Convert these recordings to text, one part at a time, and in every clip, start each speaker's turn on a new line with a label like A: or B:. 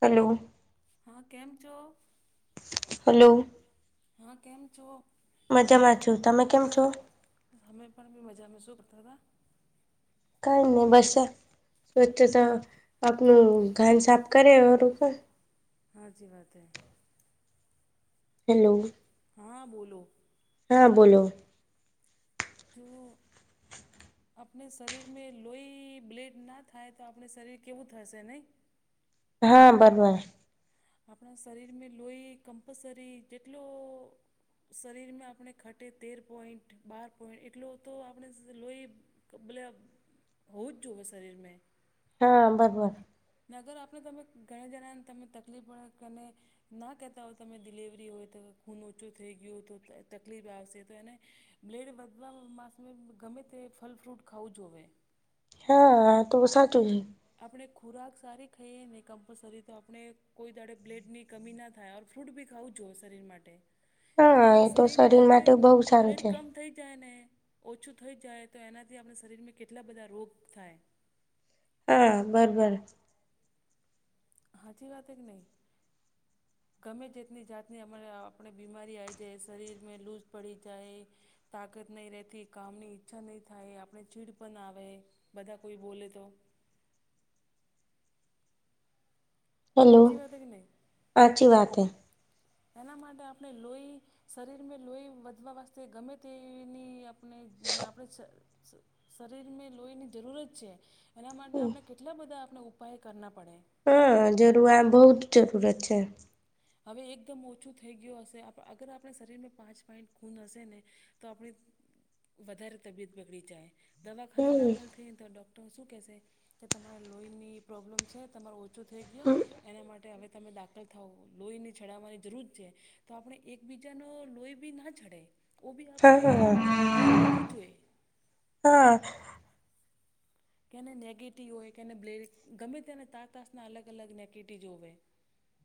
A: Hello.
B: હા, કેમ છો?
A: હલો.
B: હા કેમ છો.
A: મજામાં છું તમે કેમ છો.
B: અમે પણ મજામા શૂ કરતા હતા.
A: કઈને બસે [unintelligible] તો આપનું ઘન સાફ કરેર.
B: હાચી વાત હ
A: હેલો.
B: હા, બોલો.
A: હા, બોલો.
B: જો આપને શરીરમાં લોહી બ્લેડ ના થાય તો આપને શરીર કેવું થશે નહીં?
A: હા, બરરા.
B: આપના શરીર મે લોહી કમ્પલસરી જેટલો શરીરમાં આપણે ખટે તેર પોઈન્ટ બાર પોઈન્ટ એટલો તો આપણે લોહી કબલે અબ હોવુજ જોએ શરીર મે.
A: હા, બરરા.
B: નગર આપને તમે ઘણા જણાને તમને તકલીફ પડે અને ના કહેતા હોય તમે ડિલવરી હોય તો ખૂન ઓછો થઈ ગયો તો તકલીફ આવશે તો એને બ્લેડ વધવા માસ ગમે તે ફલ ફ્રૂટ ખાવું જોવે.
A: હા આ તો સાચું હૈ.
B: આપને ખોરાક સારી ખાઈએ ને કમ્પલસરી તો આપને કોઈ દાડે બ્લેડની કમી ના થાય ઓર ફ્રૂટ બી ખાવું જો શરીર માટે. આ ને શરીરને આપણે બ્લડ કમ થઈ જાય ને ઓછું થઈ જાય તો એનાથી આપના શરીરમાં કેટલા બધા રોગ થાય.
A: હા, બરબર.
B: હાચી વાત હૈ કે નહી?
A: [inaudible]
B: ગમે જેતની જાતની અમારે આપણે બીમારી આવી જાય શરીરમે લૂઝ પડી જાય. તાકાત નહી રતી કામ ની ઈચ્છા નહી થાય આપણે ચીડ પણ આવે. બધા કોઈ બોલે તો.
A: હલો, હાચી વાત હે.
B: તેના માટે આપણે લોહી શરીરમાં લોહી મે વધવા વતે ગમે તેની અ મેં ને આપણે શ શ શરીરને લોહીની જરૂરત છે. એના માટે આપણે કેટલા બધા આપને ઉપાય કરના પડે.
A: હા, જરૂઆ બહુત જરૂરત છે.
B: હવે એકદમ ઓછું થઈ ગયું હશે આપ અગર આપણા શરીરમાં પાંચ પોઈન્ટ ખૂન હશે ને તો આપણી વધારે તબિયત બગડી જાય. દવાખાને દાખલ થઈને તો ડૉક્ટર શું કહેશે કે તમારે લોહીની પ્રોબ્લેમ છે તમારો ઓછો થઈ ગયો એના માટે હવે તમે દાખલ થાવો લોહીની ચડાવવાની જરૂર છે તો આપણે એકબીજાનો લોહી બી ના છડે. કો બી આપણે લોહી મલવું જોએ.
A: હા.
B: કેને નેગેટિવ હોય કેને બ્લેડ ગમે તેને તા તાસના અલગ અલગ નેગેટી જ હોવે.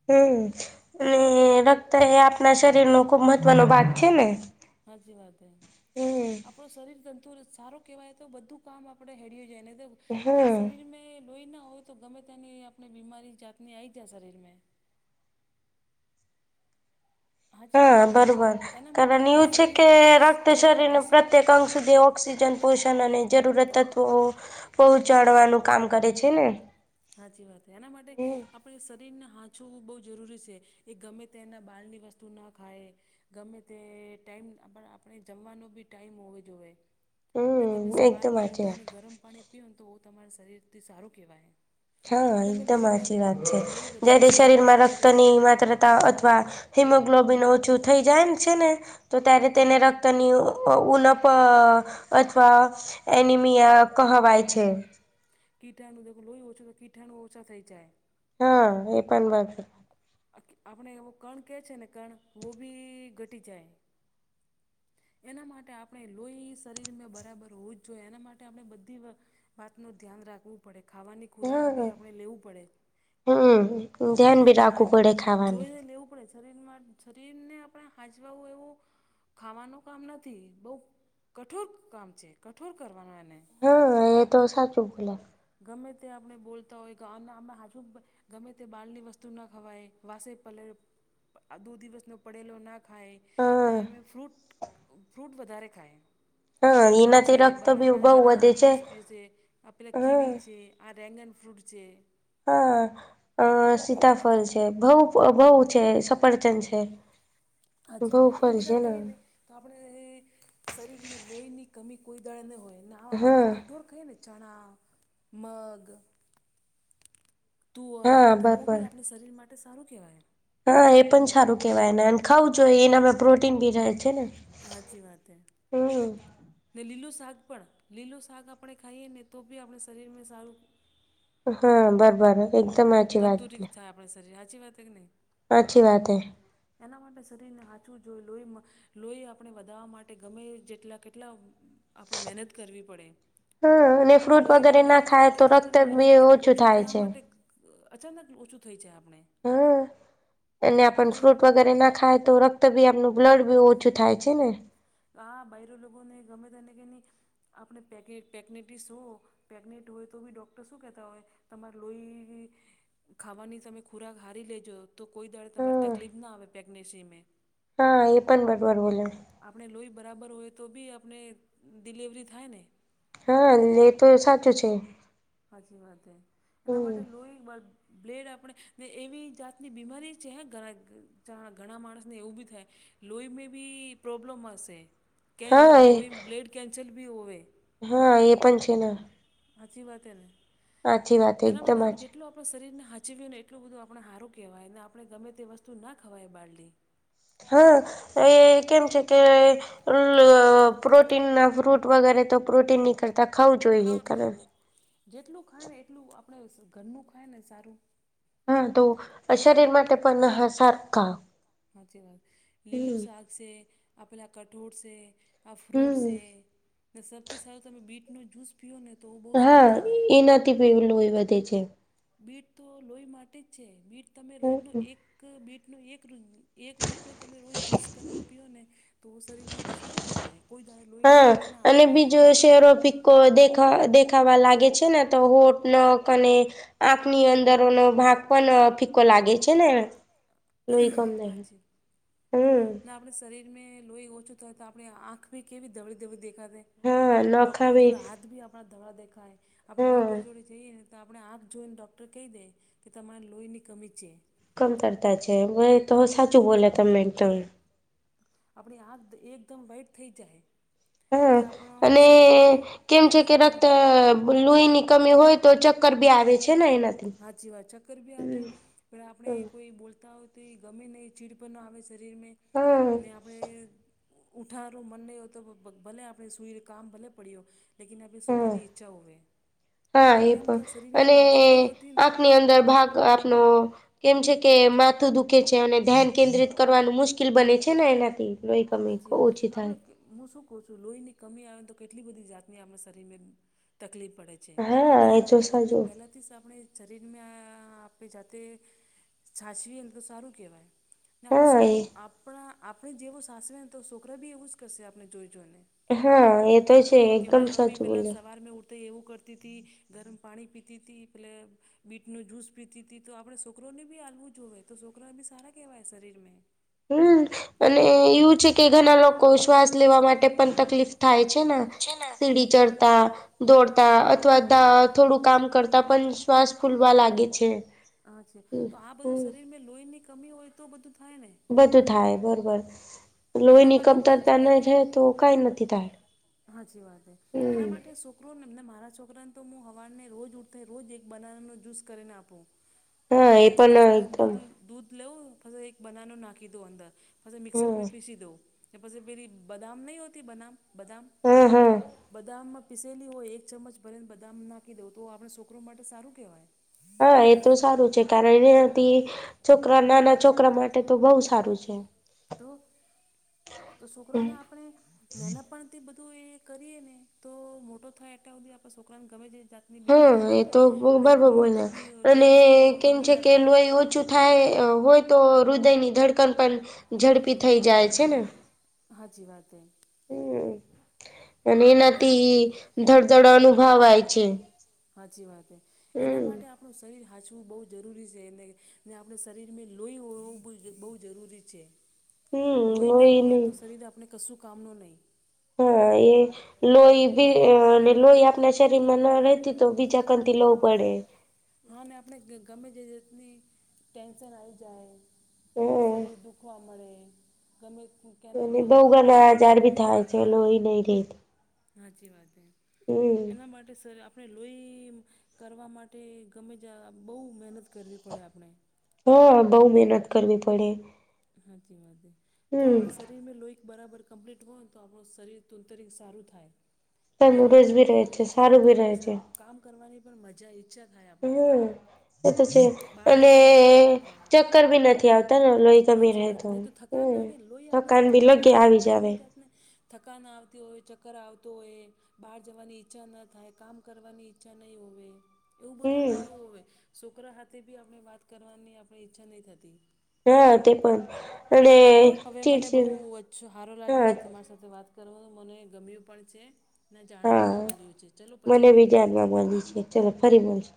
A: હમ્મ, અને રક્ત એ આપણા શરીર નો ખુબ મહત્વનો ભાગ છે ને?
B: હાજી વાત એ. આપણો શરીર તંદુરસ્ત સારો કહેવાય તો બધું કામ આપડે હેડિય જાય એને દવ આપણે મે શરીરને લોહી ના હોય તો ગમે તેની આપને બીમારી જાતની આઈ જાય શરીર મે.
A: હા, બરોબર કારણ એવું છે કે રક્ત શરીર ને પ્રત્યેક અંગ સુધી ઓ ઓક્સિજન પોષણ અને જરૂરત તત્વો પહોંચાડવાનું કામ કરે છે ને?
B: હાચી વાત હે. એના માટે આપણે શરીરને હાંચવું બહુ જરૂરી છે એ ગમે તેના બાળની વસ તું ના ખાય ગમે તે ટાઈમ આપને આપણે જમવાનો બી ટાઈમ હોવો જોઈએ. ને તમે સવાર મેં ઉઠીને ગરમ પાણી પીઓ ને તો તમારા શરીરથી સારું કહેવાય.
A: હા એકદમ હાચી વાત છે જયારે શરીર માં રક્ત ની માત્ર માત્ર અથવા હિમોગ્લોબિન ઓછું થઈ જાય છે ને તો ત્યારે તેને રક્તની ઉલપ અથવા એનિમિયા કહવાય છે.
B: કીઠાણનું દેખો લોહી ઓછું તો કીઠાણુ ઓછા થઈ જાય.
A: હા એ પણ [unintelligible]
B: આ આપણે એવો કણ કેહે છે ને કણ વો બી ઘટી જાય. એના માટે આપણે લોહી શરીર મે બરાબર હોવું જ જોઈએ એના માટે આપણે બધી વા વાત નું ધ્યાન રાખવું પડે ખાવાની ખોરાક બી આપણે લેવું પડે. ને એમાં હા [unintelligible] જોઈને લેવું પડે છે. શરીરમાં શરીરને આપણે હાંજવાવું એવું ખાવાનું કામ નથી બહુ કઠોર કામ છે કઠોર કરવાન એને.
A: હા એ તો સાચું બોલો.
B: ગમે તે આપણે બોલતા હોય કે આમ આમ હાચુ બા ગમે તે બાળની વસ્તુ ના ખવાય વાસે પલે આ દો દિવસનો પડેલો ના ખાય ને અમે ફ્રૂટ ફ્રૂટ વધારે ખાય. એપલ છે બના બનાના ન જ્યુસ પી સે આ પેલા જે આ રેંગન ફ્રૂટ છે.
A: હા અ સીતાફલ છે બહું બહુ છે સફરજન છે.
B: સાચી વાત એ બધા ખાઈ ને તો આપણે શરીરમાં લોહીની કમી કોઈ દાળે નહીં હોયને આપણે કઠોર ખાઈએ ને ચણા મગ તુઅર તો ઓ બી આપણે શરીર માટે સારું કહેવાય.
A: હા એ પણ સારું કેહેવાયને ખાવું જોઈએ એનામાં પ્રોટીન બી રહે છે ને.
B: હાચી વાત હે.
A: હમ્મ.
B: ને લીલું શાક પણ લીલું શાક આપણે ખાઈએ ને તો બી આપણે શરીરમાં સારું
A: હા [unintelligible] એકદમ એ
B: તંદુરીત થાય આપણા શરીર હાચી વાત કે નહીં.
A: હાચી વાત હૈ.
B: એના માટે શરીરને હાચવું જોઈ લોહી માં લોહી આપણે વધાવા માટે ગમે જેટલા કેટલા આપણે મહેનત કરવી પડે. લોહી વધાવા માટે કેટલી બધી મહેનત કરીને ઓછું થયા માટે આ અચાનક ઓછું થઈ જાય આપણે.
A: હા એને આપન ફ્રૂટ વગેરે ના ખાય તો રક્ત બી આપમનું બ્લડ બી ઓછું થાય છે ને.
B: આ બાયરો લોકોને ગમે તેને કે ની આપણે પેકે પેકનેટી શું પ્રેગ્નેન્ટ હોય તો બી ડોક્ટર શું કેહેતા હોય તમારે લોહી ખાવાની તમે ખોરાક હારી લેજો તો કોઈ દાડે તમારે તકલીફ ના આવે પ્રેગ્નેન્સીમે.
A: હા એ પણ [unintelligible] બોલો.
B: આપણે લોહી બરાબર હોય તો બી આપને ડિલેવરી થાય ને
A: હા ને એ તો સાચું છે.
B: હાછી વાતે એ એના માટે લોઈ બં બ્લેડ આપણે ને એવી જાતની બીમારી છે હે ઘણા જહાં ગણા માણસને એવું બી થાય લોહીમેં બી પ્રોબ્લમ હસે કે લોહી બ્લેડ કૅન્સલ બી હોય.
A: હા એ પણ છે ને.
B: હાચી વાત એ ને એના માટે જેટલું આપડો શરીરને હાચ્યું ને એટલું બધું આપણે હારું કહેવાય ને આપણે ગમે તે વસ્તુ ના ખવાય બહારલી.
A: હા એ કેમ છે તે આલુ આ પ્રોટી ના ફ્રૂટ વગેરે તો પ્રોટીન નીકળ તાં ખાવું છું તા
B: ખાઉં છું એમની જેટલું ખાય ને એટલું આપડે ઘરનું ખાય ને સારું
A: ધ થાઈન તો શરીર માટે પણ હ સારખા.
B: હાચી વાત. લીલું સાક સે, આ પેલા કઠોળ સે. આ ફ્રૂટ સે ને સૌથી સારું તમે બીટનો જૂસ પીઓ ને તો બ
A: હા એનાથી પેલું લોઇ વધે છે.
B: બીટ તો લોહી માટે જ છે બીટ તમે રોજનો એક બીટનો એક એક બીટનો તમે રોજ જૂસ કરીને પીઓ ને તો શરીર માટે સારું કે, કોઈ દાળ
A: હા અને બીજો શેરો ફિક્કો દેખ અ દેખાવા લાગે છે ને તો હોટ નક અને આખ ની અંદરોનો ભાગ પણ ફીકો લાગે છે ને એ. લોઈ કમ નહી હમ્મ.
B: આપણે શરીર ને લોહી ઓછું થાય તો આપણી આંખી કેવી ધવળી દવડી દેખાતે. ડોક્ટર જોડે હાથ ભી આપણા ધવા દેખાય આપણે ડોક્ટર જોડે જઈએ ને તો આપણે આંખ જોઈને ડૉક્ટર કહી દે કે તમારે લોઈની કમી છે.
A: કમ કરતા છે ભાઈ તો સાચું બોલે તમે એકદમ.
B: આપણી આંખ એકદમ વાઈટ થઈ જાય.
A: હા અને કેમ છે કે રક્ત ગુ લુહી ની કમી હોય તો ચક્કર બી આવે છે ને એનાથી?
B: સાચી વાત ચક્કર બી આવે પણ આપણે કોઈ બોલતા હોય તો એ ગમે નહીં. ચીડપનો આવે શરીરમેં ને આપણે ઉઠારૂ મન નહી હોય તો ભલે આપણે સુઈને કામ ભલે પડ્યું. લેકીન અગર સુવાની ઈચ્છા હોવે કેમ કે શરીરમાં તાકત નહી હો
A: આંપની અંદર ભાગ આપંનો કેમ છે કે માથું દુખે છે અને ધ્યાન કેન્દ્રિત કરવાનું મુશ્કેલ બને છે ને એનાથી. લોહી કમી ક ઓછી થાય.
B: હું શું કઉ છું લોહી ની કમી આવે ને તો કેટલી બધી જાતની આપણા શરીર ને તકલીફ પડે છે એના માટે આપણે પેહલાથી સ આપણે શરીરમાં આપણે જાતે સાંચવીએને તો સારું કેવાય. ને આપણે સોકરુ આપણા આપણે જેવો સાસવે ને તો છોકરા બી એવું જ કરશે આપણે જોઈ જોઈને.
A: હા એ તો છે એકદમ સાચું બોલ્યા.
B: પોતે એવું કરતી તી, ગરમ પાણી પીતી તી, પેલે બીટ નું જૂસ પીતી તી તો આપણે છોકરોને બી હલવું જોએ તો છોકરા બી સારા કેહેવાય શરીરમેં
A: હમ્મ અને એવું છે કે ઘણા લોકો શ્વાસ લેવા માટે પણ તકલીફ થાય છે ને. સીડી ચઢતા દોડતા અથવા ધા થોડું કામ કરતા પણ શ્વાસ ફૂલવા લાગે છે.
B: આછે તો આ બધું શરીરમાં લોહી ની કમી હોય તો બધું થાય ને?
A: બધું થાય બરાબર. લોહીની કમતરતા નહીં છે તો કાંઈ નથી થાય.
B: હાચી વાત હે એના માટે સોકરોને એમને મારા છોકરાને તો હું હવાર ને રોજ ઉઠ તે રોજ એક બનાનાનો જૂસ કરીને આપુ.
A: હ
B: એક ગિલાસ ભરીને દૂધ દૂધ લેવ પસે એક બનાનું નાખી દુ અંદર. પસે મિક્સર મેં પીસી દઉ કે પસે મેેરી બદામ નહી હોતી બનામ બદામ બદામ પીસેલી હોય એક ચમચ ભરીને બદામ નાખી દઉં તો આપણે છોકરો માટે સારું કહેવાય.
A: હા એ તો સારું છે કારણ એનાથી છોકરા નાના છોકરા માટે તો બઉ સારું છે.
B: તો તો શુકરાને આપણે મેહનત પણ તે બધું એ કરીએ ને તો મોટો થાય એટા સુધી આપ છોકરાને ગમે તે [unintelligible]
A: હા એ તો બરાબર બોલયા અને કેમ છે કે લોહી ઓછું થાય હોય તો હૃદયની ધડકન પણ ઝડપી થઈ જાય છે ને?
B: હાચી વાત હે
A: હમ અને એનાથી ધડધડ અનુભવાય છે.
B: હાચી વાત હે એના માટે આપ પણું શરીર હાંચવું બહુ જરૂરી છે એને ને આપણે શરીરમાં લોહી હોવું બ બહુ જરૂરી છે. લોહી ના હોવે ને તો શરીર આપણે કશું કામ ન નહી
A: હા એ લોહી લોહી આપણા શરીરમાં ના રહેતી તો બીજા કનથી લોવું પડે
B: હા ને આપણે ગમે જે જાતની ટેન્શન આવી જાય શરીર દુખવા મળે ગમે કેનાથી આ હંગા તો બાત કરુ સારી ન લાગી
A: એ રેટ
B: સાચી વાત એના માટે સર આપ આપણે લોહી કરવા માટે ગમે ત બહુ મહેનત કરવી પડે આપણે
A: હા બહુ મહેનત કરવી પડે
B: હાચી વાત હે તો આપણે શરીર મેં લોહી બરાબર કમ્પ્લીટ હોય ને તો આપણું શરીર તુંતર સારું થાય. ને રોજ આપણે ઉઠીએ ને તો આપણે કામ કરવાની પણ મજા ઈચ્છા થાય આપણે
A: એ તો છે અને ચક્કર ભી નથી આવતા લોહી
B: હાજી વાત નહી તો થકાન નાખે લોહી આપણે શરીર ના હો તો આપણે ગમે જને થકાન આવતી હોય ચક્કર આવતું હોય બહાર જવાની ઈચ્છા ના થાય કામ કરવાની ઈચ્છા નહીં હોવે એવું બધું છોકરા હાથે બી આપણે વાત કરવાની આપણે ઈચ્છા નહીં થતી.
A: હા તે પણ
B: ચલો હવે મને બહુ અછો સારો લાગ્યો છે તમારી સાથે વાત કરવાનું મને ગમ્યું પણ છે. ના જાણવા બી મળ્યું છે ચલો પછી કરીશ.
A: બાજી છે ચલો ફરી મળજો